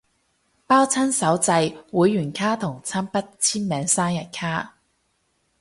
包親手製會員卡同親筆簽名生日卡